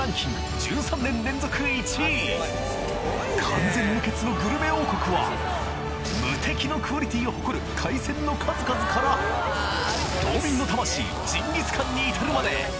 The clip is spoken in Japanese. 完全無欠のグルメ王国は無敵のクオリティーを誇る海鮮の数々から道民の魂ジンギスカンに至るまで！